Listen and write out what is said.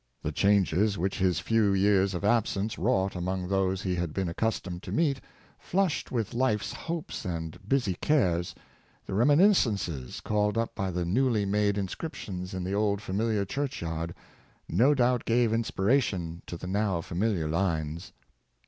The changes which his few years of absence wrought among those he had been accustomed to meet, flushed with Hfe's hopes and " busy cares "— the reminis cences called up by the newly made inscriptions in the old familiar church yard — no doubt gave inspiration to the now familiar lines.